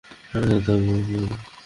আমি এখানে থাকব।